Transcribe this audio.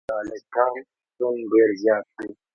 چي د الکترون شتون ډېر زيات وي.